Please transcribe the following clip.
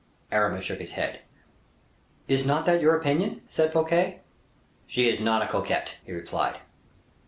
Aramis shook his head. "Is not that your opinion?" said Fouquet. "She is not a coquette," he replied.